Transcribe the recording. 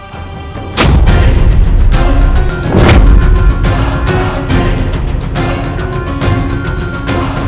ternyata kau adalah orang bodoh